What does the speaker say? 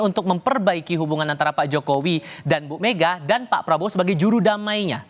untuk memperbaiki hubungan antara pak jokowi dan bu mega dan pak prabowo sebagai juru damainya